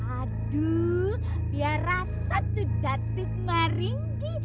aduh biar rasa tuh datuk maringgi